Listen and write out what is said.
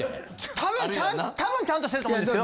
多分ちゃん多分ちゃんとしてると思うんですよ。